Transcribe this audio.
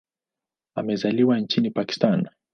Amezaliwa nchini Pakistan.